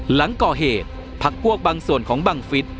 หลังก่อเหตุพักพวกบางส่วนของบังฟิศ